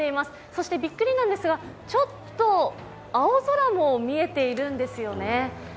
そしてビックリなんですが、ちょっと青空も見えているんですよね。